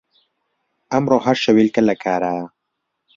ئەمڕۆ هەر شەویلکە لە کارایە